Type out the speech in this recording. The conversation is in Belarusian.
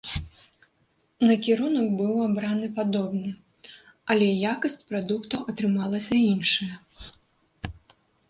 Накірунак быў абраны падобны, але якасць прадукту атрымалася іншая.